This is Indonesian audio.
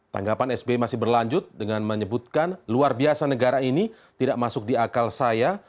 tanggapan sbi masih berlanjut dengan menyebutkan luar biasa negara ini tidak masuk di akal saya